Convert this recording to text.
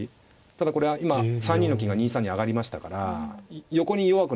ただこれ今３二の金が２三に上がりましたから横に弱くなってますね。